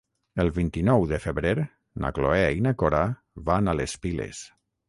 El vint-i-nou de febrer na Cloè i na Cora van a les Piles.